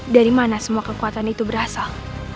dari mana semua kekuatan itu berasal